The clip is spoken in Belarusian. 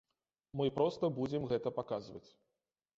Мы проста будзем гэта паказваць.